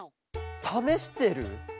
ためしてる？